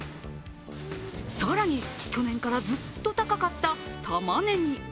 更に、去年からずっと高かったたまねぎ。